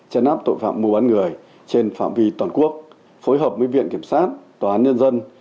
chấn áp tội phạm mua bán người trên phạm vi toàn quốc phối hợp với viện kiểm sát tòa án nhân dân